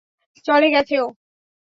চলে গেছে ও।